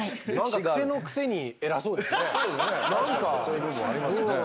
そういう部分ありますね。